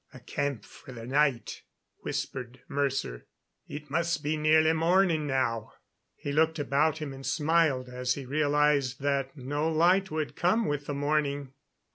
"A camp for the night," whispered Mercer. "It must be nearly morning now." He looked about him and smiled as he realized that no light would come with the morning.